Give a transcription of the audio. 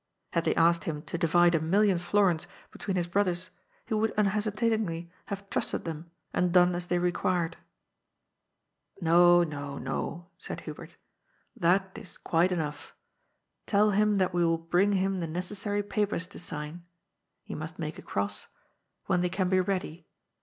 Had they asked him to divide a million florins between his brothers, he would unhesitatingly have trusted them and done as they required. " No, no, no," said Hubert. " That is quite enough. Tell him that we wiU bring him the necessary papers to sign (he must make a cross) when they can be ready.